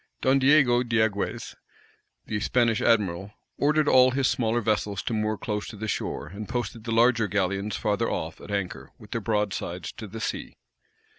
Don Diego Diagues, the Spanish admiral, ordered all his smaller vessels to moor close to the shore, and posted the larger galleons farther off, at anchor, with their broadsides to the sea.